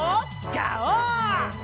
ガオー！